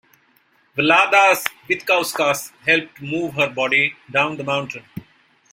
Vladas Vitkauskas helped move her body down the mountain.